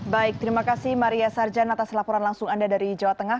baik terima kasih maria sarjan atas laporan langsung anda dari jawa tengah